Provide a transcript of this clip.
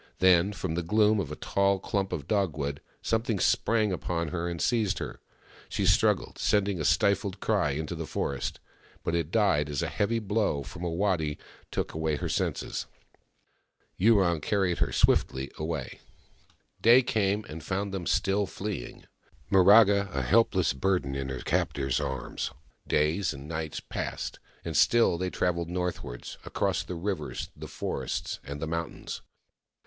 Then, from the gloom of a tall clump of dogwood, something sprang upon her and seized her. She struggled, sending a stifled cry into the forest— but it died as a heavy blow from a waddy took away her senses. Yurong carried her swiftly away. Day came, and found them still fleeing, Miraga a helpless burden in her captor's arms. Days and nights passed, and still they travelled northwards, across the rivers, the forest, and the mountains.